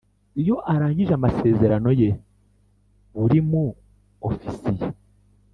Iyo arangije amasezerano ye buri mu ofisiye